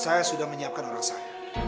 saya sudah menyiapkan orang saya